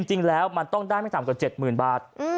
จริงแล้วมันต้องได้ไม่ต่ำกว่า๗๐๐บาท